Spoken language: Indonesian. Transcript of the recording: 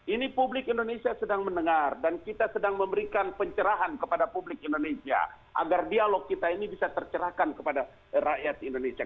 ini publik indonesia sedang mendengar dan kita sedang memberikan pencerahan kepada publik indonesia agar dialog kita ini bisa tercerahkan kepada rakyat indonesia